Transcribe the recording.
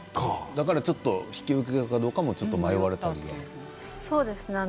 だから引き受けるかどうか迷われたと。